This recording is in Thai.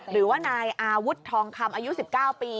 หรือว่านายอาวุธทองคำอายุ๑๙ปี